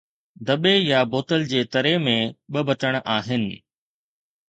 دٻي يا بوتل جي تري ۾ ٻه بٽڻ آهن